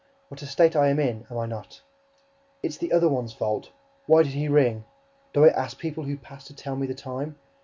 What a state I am in, am I not? It's THE OTHER ONE'S FAULT! Why did he ring? Do I ask people who pass to tell me the time?